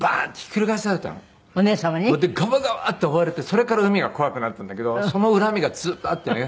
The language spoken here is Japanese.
それでガバガバッて溺れてそれから海が怖くなったんだけどその恨みがずっとあってね。